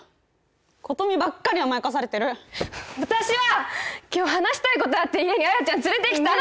琴美ばっかり甘やかされてる私は今日話したいことあって家に彩ちゃん連れてきたの！